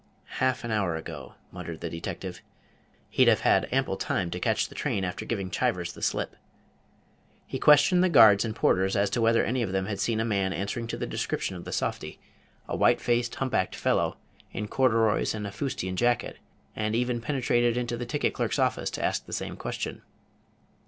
"Half an hour ago," muttered the detective. "He'd have had ample time to catch the train after giving Chivers the slip." He questioned the guards and porters as to whether any of them had seen a man answering to the description of the softy; a whitefaced, humpbacked fellow, in corduroys and a fustian jacket; and even penetrated into the ticket clerk's office to ask the same question.